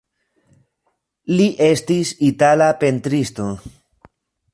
Li estis itala pentristo.